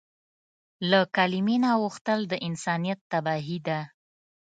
له کلیمې نه اوښتل د انسانیت تباهي ده.